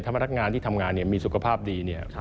ทำงานที่ทำงานมีสุขภาพดี